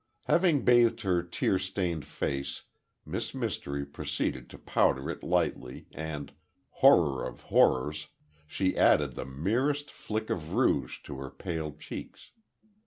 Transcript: Having bathed her tear stained face, Miss Mystery proceeded to powder it lightly, and, horror of horrors, she added the merest flick of rouge to her pale cheeks.